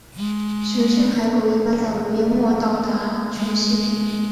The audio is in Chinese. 雄性海狗一般在五月末到达群栖地。